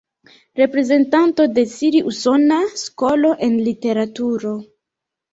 Reprezentanto de siri-usona skolo en literaturo.